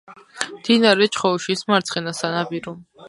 მდინარე ჩხოუშის მარცხენა სანაპირო.